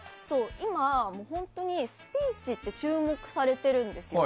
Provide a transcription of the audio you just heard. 今、本当にスピーチって注目されているんですよ。